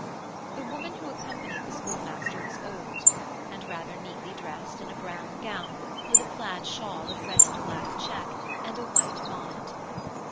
The woman who accompanied the Schoolmaster was old, and rather neatly dressed in a brown gown, with a plaid shawl, of red and black check, and a white bonnet.